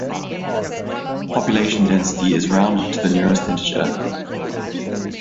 Population density is rounded to the nearest integer.